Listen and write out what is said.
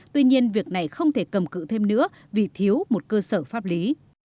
tuy nhiên việc này không thể cầm cự thêm nữa vì thiếu một cơ sở pháp lý